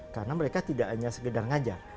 karena mereka tidak hanya sekedar ngajar